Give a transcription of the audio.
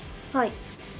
はい。